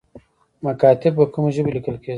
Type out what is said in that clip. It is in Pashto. مکاتیب په کومو ژبو لیکل کیږي؟